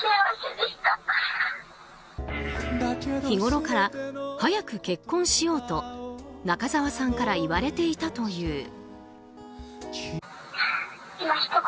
日ごろから早く結婚しようと中澤さんから言われていたという。